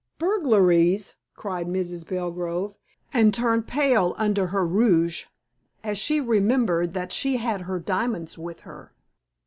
"Burglaries!" cried Mrs. Belgrove, and turned pale under her rouge, as she remembered that she had her diamonds with her.